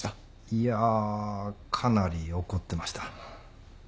いやかなり怒ってました。